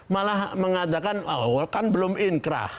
malah mengatakan awal kan belum inkrah